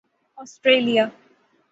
Australia